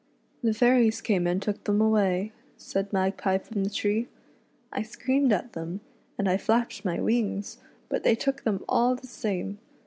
"The fairies came and took them away," said Magpie from the tree. "I screamed at them, and I flapped my wings, but they took them all the same.